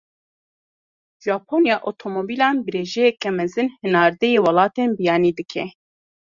Japonya, otomobîlan bi rêjeyeke mezin hinardeyî welatên biyanî dike.